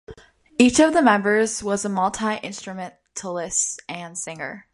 Each of the members was a multi-instrumentalist and singer.